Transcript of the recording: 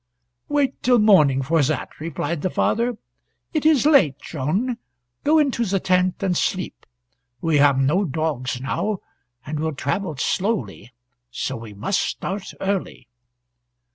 "Wait till morning for that," replied the father. "It is late, Joan. Go into the tent, and sleep. We have no dogs now, and will travel slowly. So we must start early."